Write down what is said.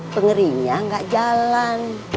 pengerinya nggak jalan